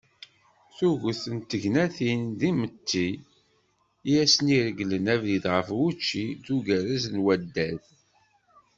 Tuget n tegnatin d timetti i asen-iregglen abrid ɣer wučči d ugerrez n waddad.